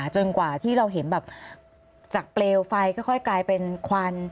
จนกว่าที่เราเห็นแบบจากเปลวไฟก็ค่อยกลายเป็นควัน